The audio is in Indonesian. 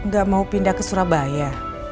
spesifikasi aku ya